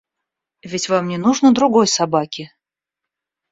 Ведь вам не нужно другой собаки?